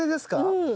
うん。